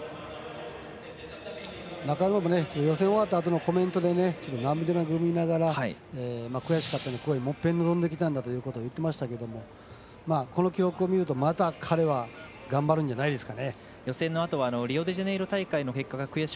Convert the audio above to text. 中村君予選終わったあとのコメントで涙ぐみながら悔しかった気持ちでもっぺん臨んできたんだということを言っていましたけれどもこの記録を見ると、彼は頑張るんじゃないでしょうか。